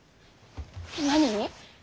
何に？